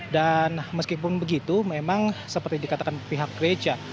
dan meskipun begitu memang seperti dikatakan pihak gereja